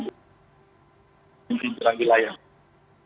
mungkin terakhir lagi